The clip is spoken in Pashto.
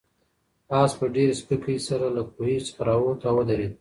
آس په ډېرې سپکۍ سره له کوهي څخه راووت او ودرېد.